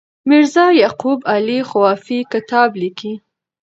میرزا یعقوب علي خوافي کتاب لیکي.